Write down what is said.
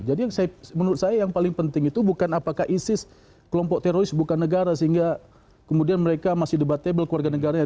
jadi menurut saya yang paling penting itu bukan apakah isis kelompok teroris bukan negara sehingga kemudian mereka masih debatable kewarganegaranya